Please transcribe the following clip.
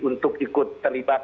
untuk ikut terlibat